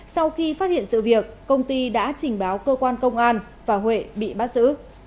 sau khi phát hiện sự việc công ty đã trình báo cơ quan công an và huệ bị bắt giữ